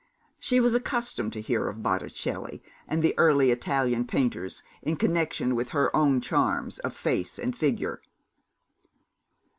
She was accustomed to hear of Boticelli and the early Italian painters in connection with her own charms of face and figure.